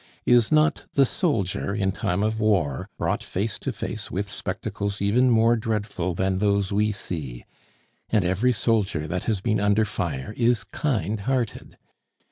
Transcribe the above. Is not the soldier in time of war brought face to face with spectacles even more dreadful than those we see? And every soldier that has been under fire is kind hearted.